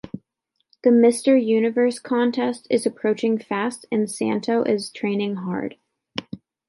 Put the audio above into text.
The Mr. Universe contest is approaching fast and Santo is training hard.